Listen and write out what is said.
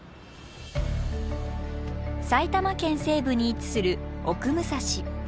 埼玉県西部に位置する奥武蔵。